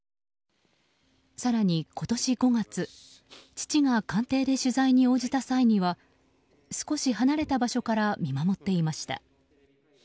更に今年５月父が官邸で取材に応じた際には少し離れた場所から見守っていました。